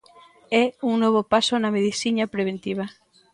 É un novo paso na medicina preventiva.